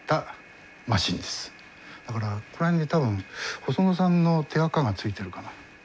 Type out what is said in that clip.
だからここら辺に多分細野さんの手あかが付いてるかな？